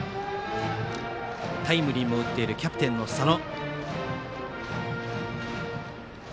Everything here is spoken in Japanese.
タイムリーも打っているキャプテンの佐野。